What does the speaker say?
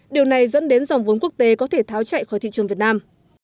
điều này dẫn đến dòng vốn quốc tế có thể tháo chạy khỏi thị trường việt nam